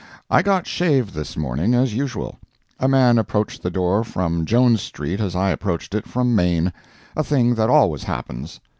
I got shaved this morning as usual. A man approached the door from Jones street as I approached it from Main—a thing that always happens.